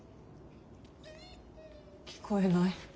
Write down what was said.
聞こえない。